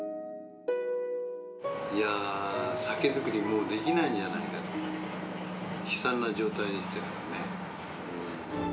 いやぁ、酒造り、もうできないんじゃないかと悲惨な状態でしたよね。